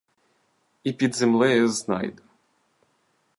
І під землею знайду.